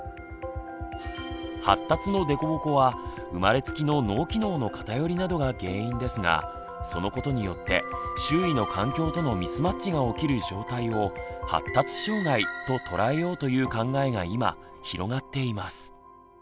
発達の凸凹は生まれつきの脳機能の偏りなどが原因ですがそのことによって周囲の環境とのミスマッチが起きる状態を「発達障害」ととらえようという考えが今広がっています。